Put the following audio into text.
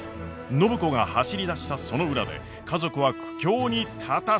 暢子が走りだしたその裏で家族は苦境に立たされていた！？